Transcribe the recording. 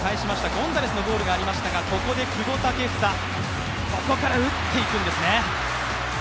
ゴンザレスのゴールがありましたがここで久保建英、ここから打っていくんですね。